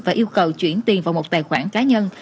và yêu cầu chuyển tiền vào một tài khoản cá nhân